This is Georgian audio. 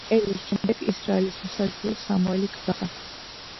ელის შემდეგ ისრაელის მსაჯული სამოელი გახდა.